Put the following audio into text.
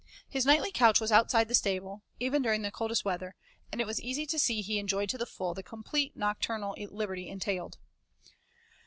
His nightly couch was outside the stable, even during the coldest weather, and it was easy to see he enjoyed to the full the complete nocturnal liberty entailed.